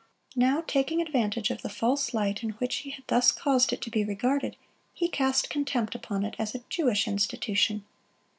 Now, taking advantage of the false light in which he had thus caused it to be regarded, he cast contempt upon it as a Jewish institution.